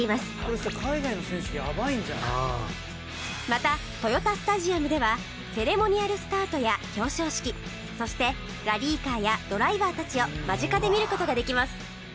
また豊田スタジアムではセレモニアルスタートや表彰式そしてラリーカーやドライバーたちを間近で見る事ができます